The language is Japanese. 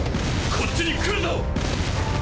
こっちに来るぞ！